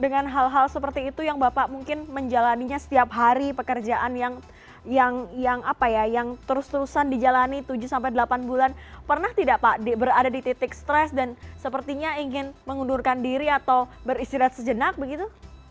dengan hal hal seperti itu yang bapak mungkin menjalannya setiap hari pekerjaan yang terus terusan dijalani tujuh sampai delapan bulan pernah tidak pak berada di titik stres dan sepertinya ingin mengundurkan diri atau beristirahat sejenak begitu